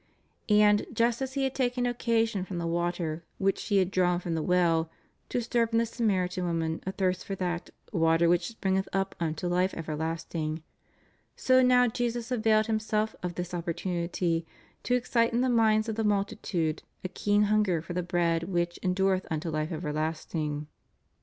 And, just as He had taken occasion from the water which she had drawn from the well to stir up in the Samaritan woman a thirst for that water which spring eth up unto life everlasting, '^ so now Jesus availed Himself of this opportunity to excite in the minds of the multi tude a keen hunger for the bread which endureth unto life everlasting.